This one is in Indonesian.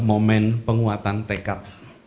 momen penguatan tekat